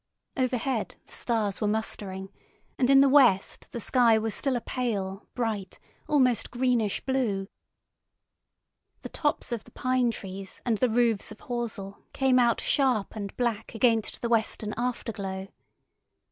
Overhead the stars were mustering, and in the west the sky was still a pale, bright, almost greenish blue. The tops of the pine trees and the roofs of Horsell came out sharp and black against the western afterglow.